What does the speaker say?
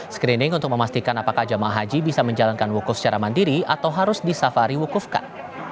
screening untuk memastikan apakah jemaah haji bisa menjalankan wukuf secara mandiri atau harus disafari wukufkan